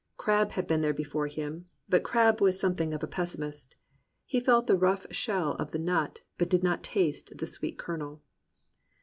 Crabbe had been there before him; but Crabbe was something of a pessimist; he felt the rough shell of the nut, but did not taste the sweet kernel.